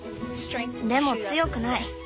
でも強くない。